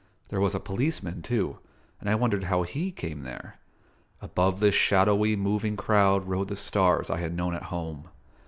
There was a policeman too, and I wondered how he came there. Above this shadowy moving crowd rode the stars I had known at home.